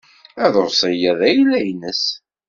Aḍebsi-a d ayla-nnes.